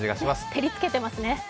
照りつけていますね。